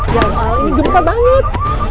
ya allah ini gempa banget